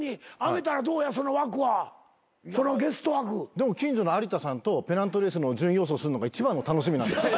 でも近所のアリタさんとペナントレースの順位予想するのが一番の楽しみなんですよ。